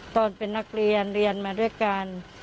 ตอนเป็นนักเรียนเรียนมาด้วยกัน